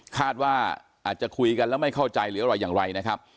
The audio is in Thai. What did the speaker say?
คาดว่าอาจจะคุยกันแล้วไม่เข้าใจหรืออะไรอย่างไรนะครับ